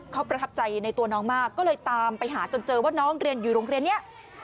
เขาประทับใจในตัวน้องมากก็เลยตามไปหาจนเจอว่าน้องเรียนอยู่โรงเรียนนี้